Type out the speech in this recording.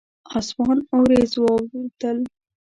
اسمان اوریځ واوبدل